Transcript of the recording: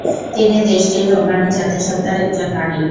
তিনি দেশটির রোমানি জাতিসত্তার একজন নারী।